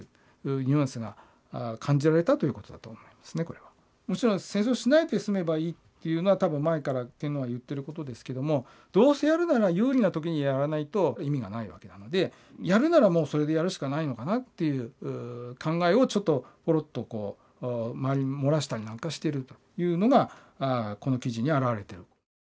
鮫島から見たらもちろん戦争しないで済めばいいっていうのは多分前から天皇は言っていることですけどもどうせやるなら有利な時にやらないと意味がないわけなのでやるならもうそれでやるしかないのかなっていう考えをちょっとポロッとこう周りに漏らしたりなんかしているというのがこの記事に表れてる。